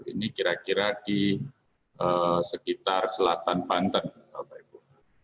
ini kira kira di sekitar selatan banten bapak ibu